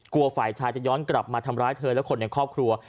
ฝ่ายชายจะย้อนกลับมาทำร้ายเธอและคนในครอบครัว